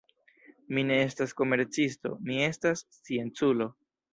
Mi ne estas komercisto; mi estas scienculo.